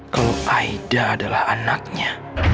kalau aida adalah anaknya